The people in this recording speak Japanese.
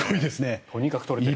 とにかく取れている。